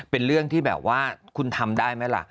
เป็นเรื่องที่แบบว่าคุณทำได้ไหมล่ะ